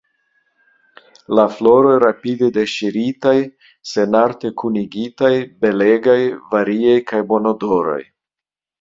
La floroj, rapide deŝiritaj, senarte kunigitaj, belegaj, variaj kaj bonodoraj.